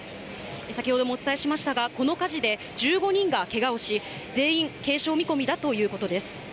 先ほどもお伝えしましたが、この火事で、１５人がけがをし、全員、軽傷見込みだということです。